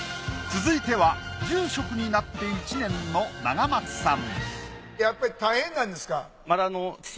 続いては住職になって１年のやっぱり大変なんですか？